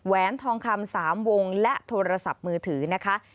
แหนทองคำ๓วงและโทรศัพท์มือถือนะคะ